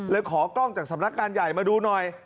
ขอกล้องจากสำนักการใหญ่มาดูหน่อย